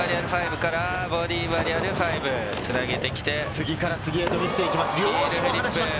次から次へと見せていきます。